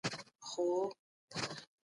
دورکهايم د کومو هېوادونو څېړنه وکړه؟